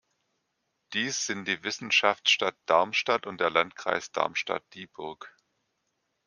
Dies sind die Wissenschaftsstadt Darmstadt und der Landkreis Darmstadt-Dieburg.